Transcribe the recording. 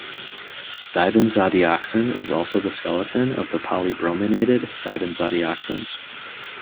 Dibenzodioxin is also the skeleton of the polybrominated dibenzodioxins.